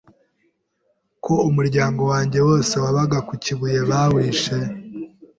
ko umuryango wanjye wose wabaga ku kibuye bawishe